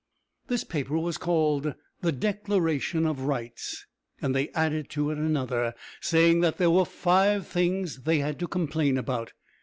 This paper was called the "Declaration of Rights," and they added to it another, saying that there were five things they had to complain about.